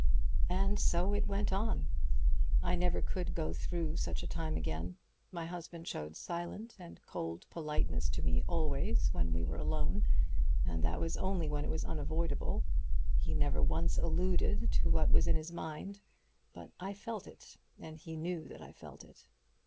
"And so it went on. I never could go through such a time again. My husband showed silent and cold politeness to me always when we were alone and that was only when it was unavoidable. He never once alluded to what was in his mind; but I felt it, and he knew that I felt it.